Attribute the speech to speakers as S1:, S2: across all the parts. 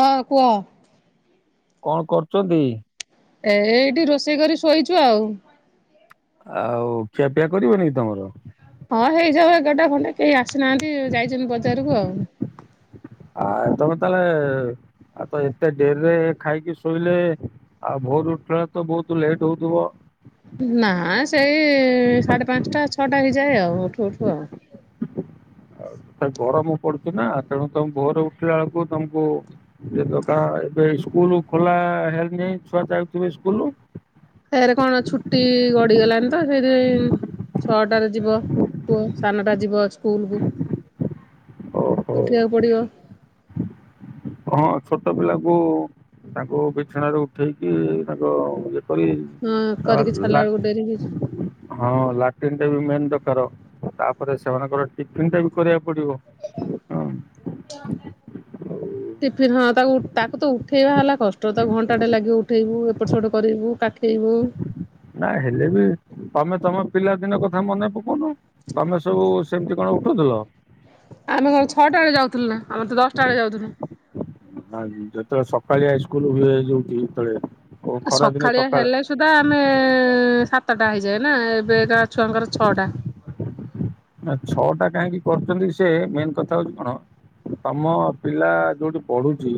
S1: ହଁ କୁହ।
S2: କଣ କରୁଚନ୍ତି?
S1: ଏ ଏଇଠି ରୋଷେଇ କରି ଶୋଇଚୁ ଆଉ।
S2: ଆଉ ଖିଆପିଆ କରିବନି କି ତମର?
S1: ହଁ ହେଇଯାଉ ଏଗାରଟା ଖଣ୍ଡେ କେହି ଆସିନାହାନ୍ତି ଯାଇଛନ୍ତି ବଜାରକୁ ଆଉ।
S2: ଆ ତମେ ତାହେଲେ ଆଉ ତ ଏତେ ଡେର ରେ ଖାଇକି ଶୋଇଲେ ଆଉ ଭୋରୁ ଉଠିଲା ଏଳୁ ତ ବହୁତ ଲେଟ୍ ହଉଥିବ।
S1: ନା ସେଇ ସାଢେ ପାଞ୍ଚଟା ଛଅଟା ହେଇଯାଏ ଆଉ ଉଠୁ ଉଠୁ ଆଉ।
S2: ତ ଗରମୁ ପଡୁଚି ନା ତେଣୁ ତମ ଭୋରୁ ଉଠିଲା ଅଳକୁ ତମକୁ ଏବକା ଏବେ ସ୍କୁଲ ଖୋଲା ହେଲାଇଁ ଛୁଆ ଯାଉଥିବେ ସ୍କୁଲୁ।
S1: ଫେରେ କଣ ଛୁଟି ଗଡିଗଲାଣି ତ ସେଇଥି ଛଅଟାରେ ଯିବ ପୁଅ ସାନଟା ଯିବ ସ୍କୁଲକୁ।
S2: ଓହୋ
S1: ଉଠିବାକୁ ପଡିବ।
S2: ହଁ ଛୋଟ ପିଲାଙ୍କୁ ତାଙ୍କୁ ବିଛଣାରେ ଉଠେଇକି ତାଙ୍କ ଇଏ କରି
S1: ହଁ
S2: ଆ
S1: କରିକି ଛାଡିଲା
S2: ଲା
S1: ବେଳକୁ ଡେରି ହେଇଯିବ।
S2: ହଁ ଲାଟିନ୍ ଟା ବି ମେନ୍ ଦରକାର ତାପରେ ସେମାନଙ୍କର ଟିଫିନ ଟା ବି କରିବାକୁ ପଡିବ। ଉଁ
S1: ଟିଫିିନ ହଁ ତାକୁ ତାକୁ ତ ଉଠେଇବା ହେଲା କଷ୍ଟ ତାକୁ ଘଣ୍ଟାଟେ ଲାଗିବ ଉଠେଇବୁ ଏପଟ ସେପଟ କରିବୁ କାଖ ଖେଇବୁ।
S2: ନା ହେଲେ ବି ତମେ ତମ ପିଲା ଦିନ କଥା ମନେ ପକଉନ ତମେ ସବୁ ସେମିତି କଣ ଉଠୁଥିଲ।
S1: ଆମେ କ ଛଟା ଏଳେ ଯାଉଥିଲୁ ନା ଆମେ ତ ଦଶଟା ଏଳେ ଯାଉଥିଲୁ।
S2: ଯେତେଏଳେ ସକଳିଆ ସ୍କୁଲ ହୁଏ ଯଉଠି ଯେତେଏଳେ
S1: ସଖାଳିଆ ହେଲେ, ସେଟା ଆମେ ସାତଟା ହେଇଯାଏ ନା ଏବେ କା ଛୁଆଙ୍କର ଛଅଟା,
S2: ନା ଛଅ ଟା କାହିଁକି କରୁଛନ୍ତି ସେ ମେନ୍ କଥା ହଉଛି କଣ, ତମ ପିଲା ଯୋଉଠି ପଢ଼ୁଛି,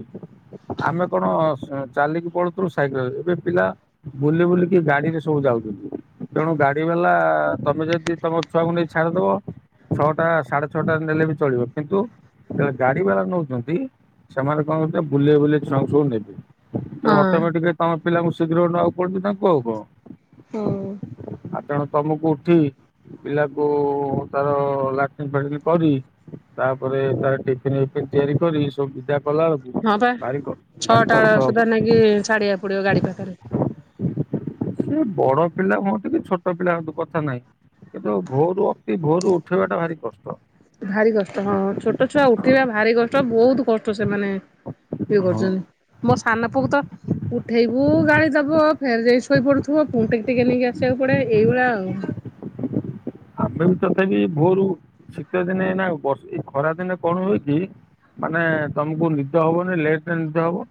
S2: ଆମେ କଣ ହୁଁ ଚାଲିକି ପଳଉଥିଲୁ ସାଇକେଲ ରେ ଏବେ ପିଲା, ବୁଲି ବୁଲିକି ଗାଡ଼ି ରେ ସବୁ ଯାଉଛନ୍ତି, ତେଣୁ ଗାଡ଼ି ବାଲା ତମେ ଯଦି ତମ ଛୁଆକୁ ନେଇଛ, ଛାଡ଼ୁ ଦବ ଛଅଟା ସାଢ଼େ ଛଅଟା ନେଲେ ବି ଚଳିବ କିନ୍ତୁ, ଯେତେବେଳେ ଗାଡ଼ି ବାଲା ନେଉଛନ୍ତି ସେମାନେ କଣ କରଉଥିଲେ ବୁଲେଇ-ବୁଲେଇ ଛୁଆଙ୍କୁ ସବୁ ନେବେ, ତେଣୁ
S1: ହଁ।
S2: ଅଟୋମେଟିକ ତମ ପିଲାଙ୍କୁ ଶୀଘ୍ର ନବାକୁ ପଡନ୍ତି ନା କୁହଉ କଣ,
S1: ହଉ,
S2: ଆଉ ତେଣୁ ତମକୁ ଉଠି, ପିଲାକୁ ତାର ଲାଟ୍ରିଙ୍କ୍ ଫାଟ୍ରିଙ୍କ୍ କରି ତାପରେ ତାଟି ଏ ଟିପ୍ ତିଆରି କରି ସବୁ ବିଦା କଲା ବେଳକୁ
S1: ହଁ ପା
S2: ଭାରି କ ଭାରି କଷ୍ଟ ହବ,
S1: ହୁଁ ଛାଡ଼ିବା କୁ ପଡ଼ିବ ଗାଡ଼ି ପାଖରେ,
S2: ସେ ବଡ଼ ପିଲା ମ ଟିକେ ଛୋଟ ପିଲା ହୁଁ କଥା ନାହିଁ କିନ୍ତୁ ଭୋରୁ ଅତି ଭୋରୁ ଉଠେଇବାଟା ଭାରି କଷ୍ଟ,
S1: ଭାରି କଷ୍ଟ ହଁ ଛୋଟ ଛୁଆ ଉଠିବା ଭାରି କଷ୍ଟ ବହୁତ୍ କଷ୍ଟ ସେମାନେ, ଏ
S2: ହଁ।
S1: କରୁଛନ୍ତି ମୋ ସାନ ପୁଅକୁ ତ ଉଠେଇବୁ ଗାଳି ଦବୁ, ଖାଲି ଯାଇ ଶୋଇ ପଡ଼ୁଥିବ ପୁଣି ଟେକି-ଟେକି ନେଇକି ଆସିବାକୁ ପଡ଼ିବ ଏଇଭଳିଆ ଆଉ,
S2: ଆମେ ବି ତଥାପି ଭୋରୁ ଶୀତ ଦିନେ ନା ବର୍ଷି ଏ ଖରା ଦିନେ କଣ ହୁଏ କି, ମାନେ ତମକୁ ନିଦ ହବନି ଲେଟରେ ନିଦ ହବ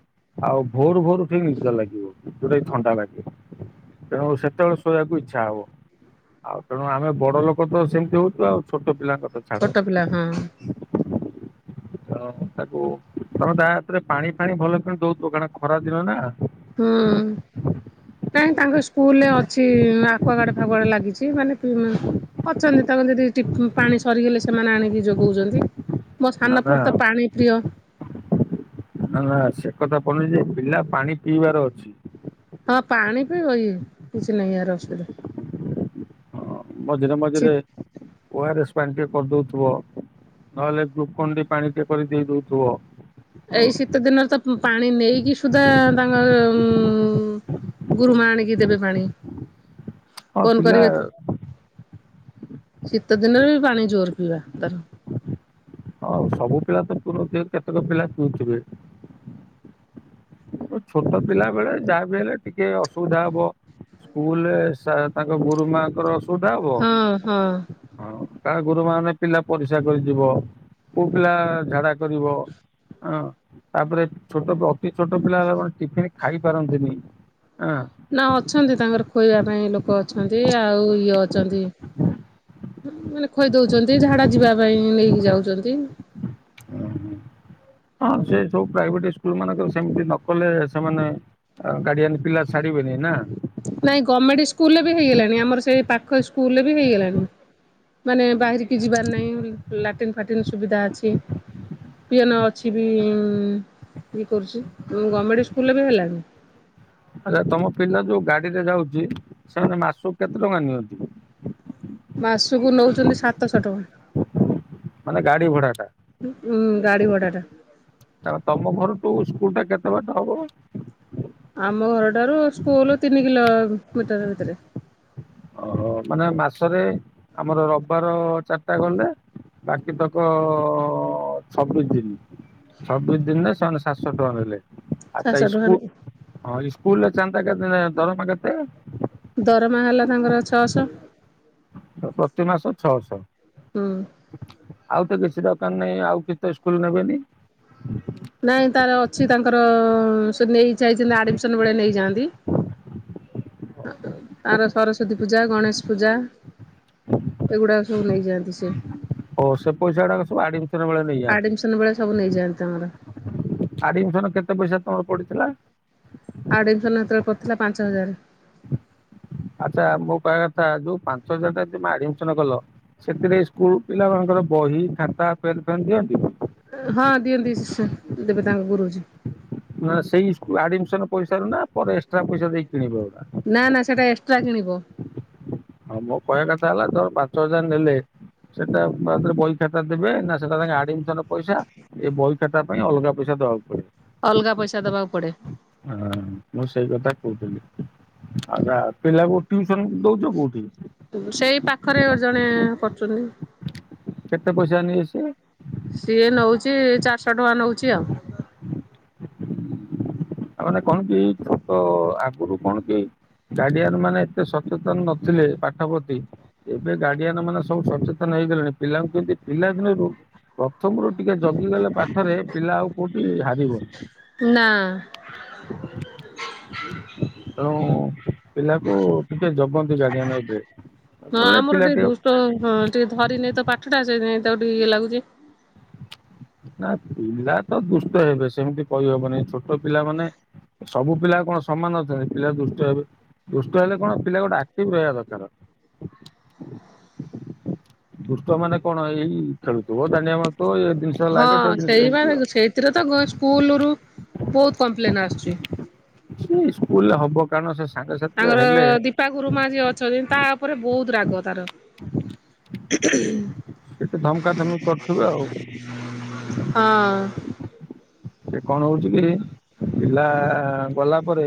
S2: ଆଉ ଭୋର-ଭୋର ସେଠିକ ନିଦ ଲାଗିବ, ଯୋଉଟା କି ଥଣ୍ଡା ବାଗେ ତେଣୁ ସେତେବେଳେ ଶୋଇବାକୁ ଇଚ୍ଛା ହବ ଆଉ ତେଣୁ ଆମେ, ବଡ଼ ଲୋକ ତ ସେମିତି ହଉଛି ଆଉ ଛୋଟ ପିଲାଙ୍କ ତ ଛାଡ଼,
S1: ଲା ହଁ,
S2: ତାକୁ ତମେ ତାହା ହାତରେ ପାଣି ଫାଣି ଭଲ କିଣି ଦଉଥିବ କାର ଖରା ଦିନ ନା,
S1: ହୁଁ, ନାଇଁ ତାଙ୍କ ସ୍କୁଲରେ ଅଛି ଆଖୁଆଗାଡେ ଫାଗୁଆଡେ ଲାଗିଛି ମାନେ, ଅଛନ୍ତି ତାଙ୍କ ଯଦି ଟିପ୍ ପାଣି ସରିଗଲେ ସେମାନେ ଆଣିକି ଯୋଗଉଛନ୍ତି, ମୋ
S2: ନା ନା
S1: ସାନପୁର ତ ପାଣି ପ୍ରିୟ,
S2: ନା-ନା ସେ କଥା ପଡୁନି ଯେ ପିଲା ପାଣି ପିଇବାର ଅଛି,
S1: ହଁ ପାଣି ବି ଯେ କିଛି ନାହିଁ ଏହାର ଅସୁବିଧା, ଶୀ
S2: ମଝିରେ-ମଝିରେ ଓର ଏସ୍ ପାଣି ଟ କରିଦଉଥିବ, ନହେଲେ ଗୁକଣ୍ଡି ପାଣି ଟେ କରି ଦେଇଦଉଥିବ,
S1: ଏଇ ଶୀତ ଦିନରେ ତ ଉଁ ପାଣି ନେଇକି ସୁଧା ତାଙ୍କର ଉଁ, ଗୁରୁମା ଆଣିକି ଦେବେ ପାଣି
S2: ହଁ
S1: କଣ
S2: ପିଲା
S1: କରିବେ, ଶୀତ ଦିନରେ ବି ପାଣି ଜୋର ପିଇବା ଧର,
S2: ହଁ ସବୁ ପିଲା ତ ପୁରନ୍ତି କେତେକ ପିଲା କିଥିବେ, ଛୋଟ ପିଲା ବେଳେ ଯାହାବି ହେଲେ ଟିକେ ଅସୁବିଧା ହବ, ସ୍କୁଲରେ ତାଙ୍କ ଗୁରୁ ମାଙ୍କର ଅସୁବିଧା ହବ,
S1: ହଁ ହଁ।
S2: ହଁ କାହା ଗୁରୁମା ମାନେ ପିଲା ପରିସା କରି ଯିବ କୋଉ ପିଲା ଝାଡ଼ା କରିବ, ହଁ ତାପରେ ଛୋଟ ତ, ଏ ଛୋଟ ପିଲା ହେଲା ଟିଫନ୍ ଖାଇ ପାରନ୍ତି ହେନା,
S1: ନା ଅଛନ୍ତି ତାଙ୍କର ଖୋଇବା ପାଇଁ ଲୋକ ଅଛନ୍ତି ଆଉ ଇଏ ଅଛନ୍ତି, ମାନେ ଖଇ ଦଉଛନ୍ତି ଝାଡ଼ା ଯିବା ପାଇଁ ନେଇକି ଯାଉଛନ୍ତି,
S2: ହଁ ସେ ସବୁ ପ୍ରାଇଭେଟ ସ୍କୁଲ ମାନଙ୍କ ସେମିତି ନ କଲେ ସେମାନେ ଗାଡିଆନ ପିଲା ଛାଡିବେନି ନା
S1: ନାଇଁ ଗଭର୍ଣ୍ଣମେଣ୍ଟ ସ୍କୁଲ ରେ ବି ହେଇଗଲାଣି ଆମର ସେଇ ପାଖ ସ୍କୁଲରେ ବି ହେଇଗଲାଣି ମାନେ ବାହାରିକି ଯିବାର ନାହିଁ ଲାଟିନ୍ ଫାଟିନ୍ ସୁବିଧା ଅଛି ପିଅନ ଅଛି ବି ଇଏ କରୁଛି ଗଭର୍ଣ୍ଣମେଣ୍ଟ ସ୍କୁଲରେ ବି ହେଲାନି
S2: ଆଛା ତମ ପିଲା ଯୋଉ ଗାଡିରେ ଯାଉଛି ସେମାନେ ମାସକୁ କେତେ ଟଙ୍କା ନିଅନ୍ତି?
S1: ମାସକୁ ନଉଛନ୍ତି ସାତଶହ ଟଙ୍କା।
S2: ମାନେ ଗାଡି ଭଡ଼ାଟା?
S1: ଗାଡ଼ି ଭଡ଼ାଟା।
S2: ତା ତମ ଘର ଠୁ ସ୍କୁଲ ଟା କେତେ ବାଟ ହବ?
S1: ଆମ ଘରଠାରୁ ସ୍କୁଲ ତିନି କିଲୋ ମିଟର ଭିତରେ
S2: ଓହୋ ମାନେ ମାସରେ ଆମର ରବିବାର ଚାରିଟା ଗଲେ ବାକି ତକ ଛବିଶ ଦିନି ଛବିଶ ଦିନରେ ସେମାନେ ସାତଶହ ଟଙ୍କା ନେଲେ ଆଚ୍ଛା
S1: ସାତଶହ ଟଙ୍କା
S2: ଇସକୁଲ
S1: ନେଇ
S2: ହଁ ସ୍କୁଲ ଚାନ୍ଦା କେତେ ଦରମା କେତେ?
S1: ଦରମା ହେଲା ତାଙ୍କର ଛଅଶହ।
S2: ପ୍ରତି ମାସ ଛଅ
S1: ହୁଁ।
S2: ସହ ଆଉ ତ କିଛି ଦୋକାନ ନାହିଁ ଆଉ କିଛି ତ ସ୍କୁଲ ନେବେନି
S1: ନାଇଁ ତାର ଅଛି ତାଙ୍କର ସେ ନେଇ ଯାଇଛନ୍ତି ଆଡମିସନ ବେଳେ ନେଇଯାଆନ୍ତି ତାର ସରସ୍ଵତୀ ପୂଜା ଗଣେଶ ପୂଜା ସେଗୁଡାକ ସବୁ ନେଇଯାଆନ୍ତି ସେ
S2: ଓ ସେ ପଇସା ଗୁଡାକ ସବୁ ଆଡମିସନ ବେଳେ ନେଇଯାଆନ୍ତି?
S1: ଆଡମିସନ ବେଳେ ସବୁ ନେଇଯାଆନ୍ତି ତାଙ୍କର
S2: ଆାଡିସନ କେତେ ପଇସା ତମର ପଡିଥିଲା?
S1: ଆଡ଼ମିସନ୍ ସେତେବେଳେ ପଡ଼ିଥିଲା ପାଞ୍ଚ ହଜାର।
S2: ଆଚ୍ଛା ମୁଁ କହିବା କଥା ଯୋଉ ପାଞ୍ଚ ହଜାର ଟା ତମେ ଆଡମିସନ କଲ ସେଥିରେ ସ୍କୁଲ ପିଲାମାନଙ୍କର ବହି ଖାତା ପେନ୍ ଫେନ୍ ଦିଅନ୍ତି?
S1: ହଁ ଦିଅନ୍ତି ଶିଷ୍ୟ ଦେବେ ତାଙ୍କ ଗୁରୁଜୀ।
S2: ନା ସେଇ ସ୍କୁଲ ଆଡମିସନ ପଇସ ରୁ ନା ପରେ ଏକ୍ସଟା ପଇସା ଦେଇ କିଣିବେ ଏଗୁଡା?
S1: ନା ନା ସେଇଟା ଏକ୍ସଟ୍ରା କିଣିବ।
S2: ହଁ ମୋ କହିବା କଥା ହେଲା ତମର ପାଞ୍ଚ ହଜାର ନେଲେ ସେଟା ତାରେ ବହି ଖାତା ଦେବେ ନା ସେଟା ତା ଆଡମିନ ପଇସା ଏ ବହି ଖାତା ପାଇଁ ଅଲଗା ପଇସା ଦବାକୁ ପଡିବ।
S1: ଅଲଗା ପଇସା ଦବାକୁ ପଡେ।
S2: ହଁ ମୁଁ ସେଇ କଥା କହୁଥିଲି ଆଛା ପିଲା କୁ ଟିଉସନ ଦଉଛ କୋଉଠି?
S1: ସେଇ ପାଖରେ ଜଣେ କରୁଛନ୍ତି
S2: କେତେ ପଇସା ନିଏ ସେ?
S1: ସିଏ ନଉଛି ଚାରିଶହ ଟଙ୍କା ନଉଛି ଆଉ
S2: ଆ ମାନେ କଣ କି ଛୋଟ ଆଗରୁ କଣ କି ଗାଡିଆର ମାନେ ଏତେ ସଚେତନ ନଥିଲେ ପାଠ ପ୍ରତି ଏବେ ଗାଡିଆନ ମାନେ ସବୁ ସଚେତନ ହେଇଗଲେଣି ପିଲାଙ୍କୁ କେମିତି ପିଲାଦିନରୁ ପ୍ରଥମରୁ ଟିକେ ଜଗିଗଲେ ପାଠରେ ପିଲା ଆଉ କୋଉଠି ହାରିବନି
S1: ନା।
S2: [inaudible] ତେଣୁ ପିଲାକୁ ଟିକେ ଜଗନ୍ତି ଗାଡିଆନ ଏବେ ନହେଲେ ପିଲା ଟେ
S1: ଓହୋ ଟିକେ ଧରି ନେଇ ତ ପାଠଟା ସୋଇ ତ ଟିକେ ଇଏ ଲାଗୁଛି
S2: ନା ପିଲା ତ ଦୁଷ୍ଟ ହେବେ ସେମିତି କହିହବନି ଛୋଟ ପିଲାମାନେ ସବୁ ପିଲା କଣ ସମାନ ଅଛନ୍ତି ପିଲା ଦୁଷ୍ଟ ହେବେ ଦୁଷ୍ଟ ହେଲେ କଣ ପିଲା ଗୋଟେ ଆକ୍ଟିଭ ରହିବା ଦରକାର। ଦୁଷ୍ଟ ମାନେ କଣ ଏଇ ଖେଳୁଥିବ ଦାଣ୍ଡିଆ ମାରୁଥିବ ଏ ଜିନିଷ ଲାଗେ ସେ ଜିନିଷ ଲାଗେଏମିତି ଆଉ।
S1: ଏଥିରେ ତ ସ୍କୁଲରୁ ବହୁତ୍ କମ୍ପ୍ଲେନ୍ ଆସୁଛି।
S2: ସେ ଇସ୍କୁଲରେ ହବ କାରଣ ସେ ସାଙ୍ଗସାଥି ହେଲେ
S1: ତା ଗୁରୁମା ଯିଏ ଅଛନ୍ତି ତା ଉପରେ ବହୁତ ରାଗ ତାର।
S2: ସେତ ଧମକା ଧମକି କରୁଥିବେ ଆଉ।
S1: ହଁ।
S2: ସେ କଣ ହୋଉଚି କି ପିଲା ଗଲା ପରେ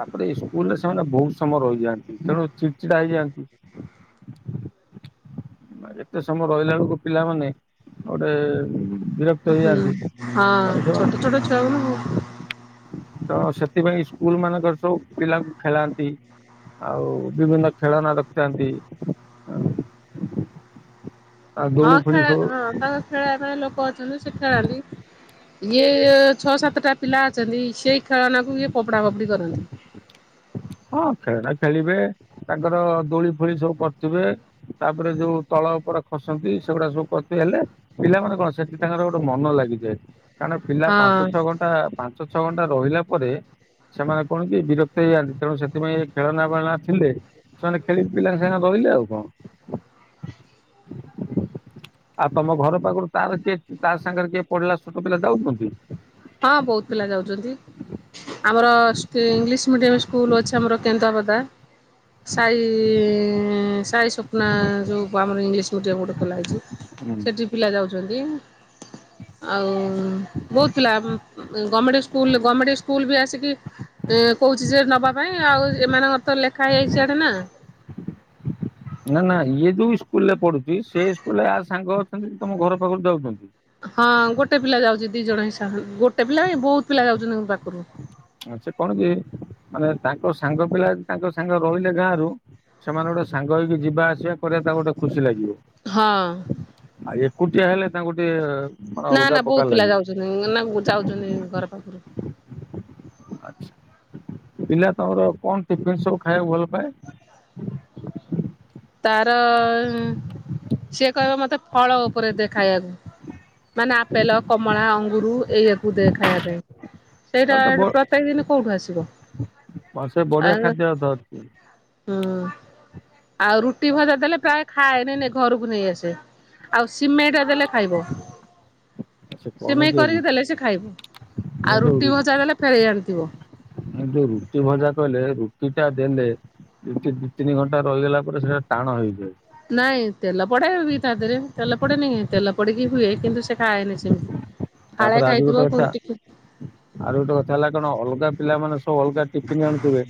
S2: ତାପରେ ଇସ୍କୁଲ ରେ ସେମାନେ ବହୁତ୍ ସମୟ ରହିଯାଆନ୍ତି ତେଣୁ ଚିଡ଼ିଚିଡା ହେଇଯାଆନ୍ତି। ଏତେ ସମୟ ରହିଲା ବେଳକୁ ପିଲାମାନେ ଗୋଟେ ବି
S1: ହୁଁ ହଁ ଛୋଟ ଛୋଟ ଛୁଆ ଙ୍କୁ
S2: ତ ସେଥିପାଇଁ ଇସ୍କୁଲ ମାନଙ୍କରେ ସବୁ ପିଲାଙ୍କୁ ଖେଳାନ୍ତି। ଆଉ ବିଭିନ୍ନ ଖେଳନା ରଖିଥାନ୍ତି। ଆଉ
S1: ହଁ
S2: ଦୋଳି ଫୋଳି
S1: ଖେଳ
S2: ସବୁ
S1: ହଁ ତାଙ୍କ ଖେଳେଇବା ପାଇଁ ଲୋକ ଅଛନ୍ତି ସେ ଖେଳାନ୍ତି। ଇଏ ଛଅ ସାତଟା ପିଲା ଅଛନ୍ତି ସେଇ ଖେଳନାକୁ ଇଏ ଫୋପଡା ଫୋପଡି କରନ୍ତି।
S2: ହଁ ଖେଳନା ଖେଳିବେ ତାଙ୍କର ଦୋଳି ଫୋଳି ସବୁ କରୁଥିବେ। ତାପରେ ଯୋଉ ତଳ ଉପରେ ଖସନ୍ତି ସେଗୁଡା ସବୁ ଖସି ହେଲେ। ପିଲାମାନେ କଣ ସେଠି ତାଙ୍କର ଗୋଟେ ମନ ଲାଗିଯାଏ କାରଣ ପିଲା ପାଞ୍ଚ
S1: ହଁ
S2: ଛଅ ଘଣ୍ଟା ପା ପାଞ୍ଚ ଛଅ ଘଣ୍ଟା ରହିଲା ପରେ ସେମାନେ କଣ କି ବିରକ୍ତ ହେଇଯାଆନ୍ତି। ତେଣୁ ସେଥିପାଇଁ ଖେଳନା ବେଳନା ଥିଲେ ସେମାନେ ଖେଳିକି ପିଲାଙ୍କ ସାଙ୍ଗେ ରହିଲେ ଆଉ କଣ। ଆଉ ତମ ଘର ପାଖରୁ ତାର କିଏ ତା ସାଙ୍ଗରେ କିଏ ପଢିଲା ଛୋଟ ପିଲା ଯାଉଛନ୍ତି।
S1: ହଁ ବହୁତ୍ ପିଲା ଯାଉଛନ୍ତି। ଆମର ଇଂଲିଶ ମିଡିୟମ ସ୍କୁଲ ଅଛି ଆମର କେନ୍ଦ୍ରାପଦା। ସାହି ସାଇ ସ୍ୱପ୍ନା ଯୋଉ ଆମର ଇଂଲିଶ ମିଡିୟମ୍ ଗୋଟେ ଖଲାହେଇଛି। ସେଠି ପିଲା ଯାଉଚନ୍ତି। ଆଉ ବହୁତ ପିଲା ଗମେଣ୍ଟ ସ୍କୁଲ ଗମେଣ୍ଟ ସ୍କୁଲ ବି ଆସିକି ଏ କହୁଛି ସେ ନବା ପାଇଁ ଆଉ ଏମାନଙ୍କର ତ ଲେଖା ହେଇଯାଇଛି ଇଆଡେ ନାଁ।
S2: ନାଁ ନାଁ ଇଏ ଯୋଉ ଇସ୍କୁଲ ରେ ପଢୁଛି ସେଇ ସ୍କୁଲ ରେ ଆ ସାଙ୍ଗ ଅଛନ୍ତି ତମ ଘର ପାଖରୁ ଯାଉଛନ୍ତି।
S1: ହଁ ଗୋଟେ ପିଲା ଯାଉଛି ଦି ଜଣ ହିସାବ ଗୋଟେ ପିଲା କାଇଁ ବହୁତ୍ ପିଲା ଯାଉଛନ୍ତି ଏଇ ପାଖରୁ।
S2: ଆଚ୍ଛା କଣ କି ମାନେ ତାଙ୍କ ସାଙ୍ଗ ପିଲା ଯଦି ତାଙ୍କ ସାଙ୍ଗରେ ରହିଲେ ଗାଁ ରୁ ସେମାନେ ଗୋଟେ ସାଙ୍ଗ ହେଇକି ଯିବା ଆସିବା କରିବା ତାକୁ ଗୋଟେ ଖୁସି ଲାଗିବ।
S1: ହଁ।
S2: ଆଉ ଏକୁଟିଆ ହେଲେ ତାଙ୍କୁ ଟିକେ ମାନେ
S1: ନାଁ
S2: ଅଲଗା
S1: ନାଁ
S2: ପ୍ରକାର
S1: ବହୁତ୍ ପିଲା
S2: ଲାଗିବ
S1: ଯାଉଛନ୍ତି ନାଁ ଯାଉଛନ୍ତି ଘର ପାଖରୁ।
S2: ଆଛା ପିଲା ତମର କଣ ଟିଫନ୍ ସବୁ ଖାଇବାକୁ ଭଲ ପାଏ?
S1: ତାର ସିଏ କହିବ ମତେ ଫଳ ଉପରେ ଦେ ଖାଇବାକୁ। ମାନେ ଆପେଲ, କମଳା, ଅଙ୍ଗୁର ଏଇଆକୁ ଦେ ଖାଇବା ପାଇଁ। ସେଇଟା
S2: ତାହେଲେ ତ
S1: ପ୍ରତ୍ୟେକ ଦିନ କୋଉଠୁ ଆସିବ?
S2: ବ ସେ ବଢିଆ
S1: ଆ
S2: ଖାଦ୍ୟ ଧରିଛି
S1: ହୁଁ ଆଉ ରୁଟି ଭଜା ଦେଲେ ପ୍ରାୟ ଖାଏନି ଘରକୁ ନେଇ ଆସେ। ଆଉ ସିମେଇଟା ଦେଲେ ଖାଇବ
S2: ସେ କଣ
S1: ସିମେଇ
S2: କି
S1: କରିକି ଦେଲେ ସେ ଖାଇବ। ଆଉ
S2: ଯୋଉ
S1: ରୁଟି ଭଜା ଦେଲେ ଫେରେଇ ଆଣିଥିବ।
S2: ଏ ଯୋଉ ରୁଟି ଭଜା କହିଲେ ରୁଟି ଟା ଦେଲେ ରୁଟି ଦି ତିନି ଘଣ୍ଟା ରହିଗଲା ପରେ ସେଇଟା ଟାଣ ହେଇଯାଏ।
S1: ନାଇଁ ତେଲ ପଡେ ବି ତା ଦେହରେ ତେଲ ପଡେନି କି ତେଲ ପଡିକି ହୁଏ କିନ୍ତୁ ସେ ଖାଏନି ସେମିତି। ଫାଳେ
S2: ତାପରେ ଆଉ ବି
S1: ଖାଇଥିବ
S2: ଗୋଟେ
S1: ପୁଣି
S2: କଥା
S1: ଟିକେ
S2: ଆଉରି ଗୋଟେ କଥା ହେଲା କଣ ଅଲଗା ପିଲାମାନେ ସବୁ ଅଲଗା ଟିଫନ୍ ଆଣୁଥିବେ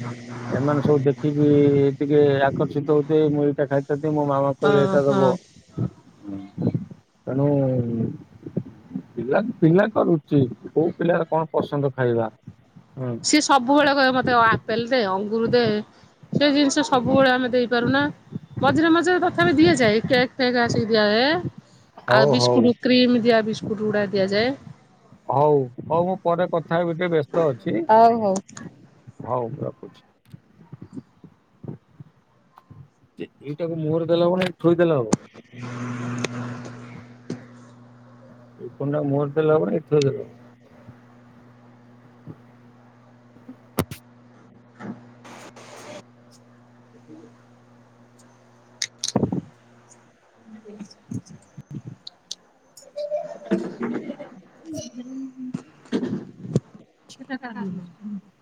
S2: ଏମାନେ ସବୁ ଦେ ଦେଖିକି ଟିକେ ଆକର୍ଷିତ ହଉଥିଏ ମୁଁ ଏଇଟା ଖାଇଥାନ୍ତି ମୋ ମାମା
S1: ହଁ
S2: କହିବେ ଏଟା
S1: ହଁ
S2: ଦବ। ତେଣୁ ପିଲା ପିଲାଙ୍କ ରୁଚି କୋଉ ପିଲାର କଣ ପସନ୍ଦ ଖାଇବା ହୁଁ।
S1: ସିଏ ସବୁବେଳେ କହିବ ମତେ ଆପେଲ ଦେ ଅଙ୍ଗୁର ଦେ। ସେ ଜିନିଷ ସବୁବେଳେ ଆମେ ଦେଇପାରୁନା। ମଝିରେ ମଝିରେ ତଥାପି ଦିଆଯାଏ କେକ୍ ଫେକ୍ ଆସିକି ଦିଆଯାଏ। ଆଉ
S2: ହଉ ହଉ
S1: ବିସ୍କୁଟ କ୍ରିମ ଦିଆ ବିସ୍କୁଟ ଉଡା ଦିଆଯାଏ।
S2: ହଉ ହଉ ମୁଁ ପରେ କଥା ହେବି ଟିକେ ବ୍ୟସ୍ତ ଅଛି।
S1: ହଉ ହଉ।
S2: ହଉ ରଖୁଛି। ଏଇଟା କୁ ମୁହଁରେ ଦେଲେ ହବନା ଏଇଠି ଥୋଇ ଦେଲେ ହବ।
S1: [inaudible]
S2: ଏକଣ୍ଡା ମୋର ଦେଲେ ହବ ନା [inaudible] [inaudible]
S1: [inaudible]
S2: [inaudible] [inaudible] [inaudible] [inaudible]